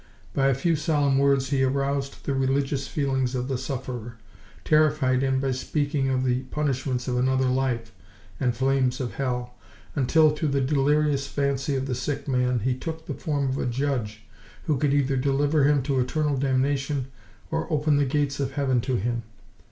By a few solemn words he aroused the religious feelings of the sufferer, terrified him by speaking of the punishments of another life and the flames of hell, until to the delirious fancy of the sick man he took the form of a judge who could either deliver him to eternal damnation or open the gates of heaven to him.